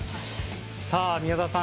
さあ、宮澤さん。